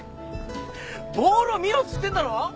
ボールを見ろっつってんだろ。